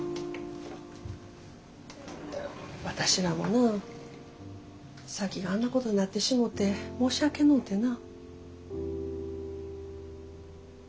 私らもな沙希があんなことになってしもて申し訳のうてな。